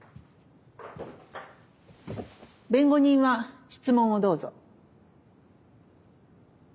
弁護人は質問をどうぞ。